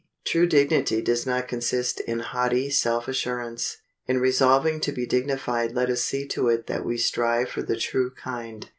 True dignity does not consist in haughty self assurance. In resolving to be dignified let us see to it that we strive for the true kind.